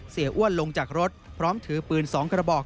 อ้วนลงจากรถพร้อมถือปืน๒กระบอก